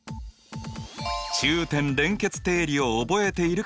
中点連結定理を覚えているかな？